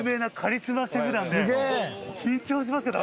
緊張しますけど。